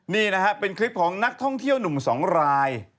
นี่นะฮะเป็นคลิปของนักท่องเที่ยวหนุ่มสองราย